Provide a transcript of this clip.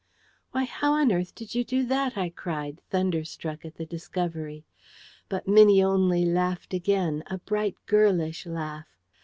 "Why, how on earth did you do that?" I cried, thunderstruck at the discovery. But Minnie only laughed again, a bright girlish laugh.